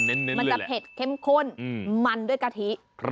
มันจะเผ็ดเข้มข้นมันด้วยกะทิ